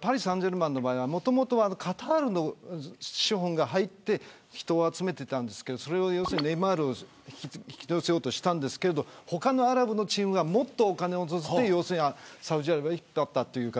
パリ・サンジェルマンの場合はもともとカタールの資本が入って人を集めていてネイマールを引き寄せようとしたんですけど他のアラブのチームがもっとお金を積んでサウジアラビアに引っ張ったという形。